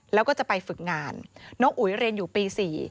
แล้วก็จะไปฝึกงานน้องอุ๋ยเรียนอยู่ปี๔